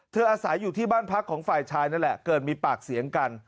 อาศัยอยู่ที่บ้านพักของฝ่ายชายนั่นแหละเกิดมีปากเสียงกัน